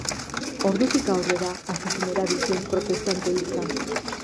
Ordutik aurrera hasi zen erabiltzen protestante hitza.